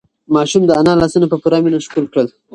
ماشوم د انا لاسونه په پوره مینه ښکل کړل.